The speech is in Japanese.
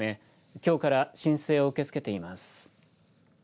きょうから申請を受け付けています。